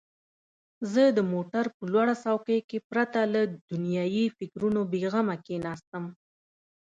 زه د موټر په لوړ څوکۍ کې پرته له دنیايي فکرونو بېغمه کښېناستم.